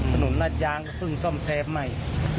ถนนราชย้างก็เพิ่งซ่อมแซมใหม่